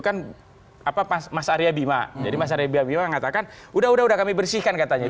kan apa pas mas arya bima jadi masyarakatnya mengatakan udah udah kami bersihkan katanya